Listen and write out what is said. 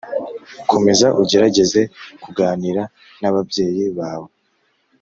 Komeza ugerageze kuganira n ababyeyi bawe